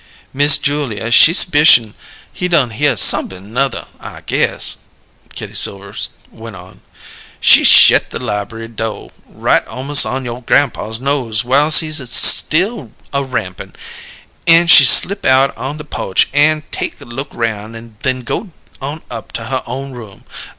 "Miss Julia, she s'picion' he done hear somep'm 'nother, I guess," Kitty Silver went on. "She shet the liberry do' right almos' on you' grampaw's nose, whiles he still a rampin', an' she slip out on the po'che, an' take look 'roun'; then go on up to her own room.